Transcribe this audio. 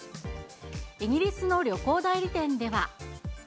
イギリスの旅行代理店では。